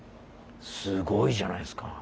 すごいじゃないですか。